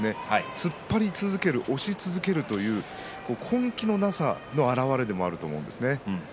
突っ張り続ける、押し続ける根気のなさの表れでもあると思うんです。